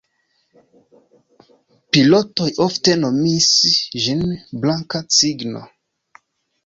Pilotoj ofte nomis ĝin "Blanka Cigno".